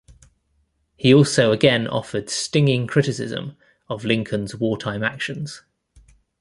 He also again offered stinging criticism of Lincoln's wartime actions.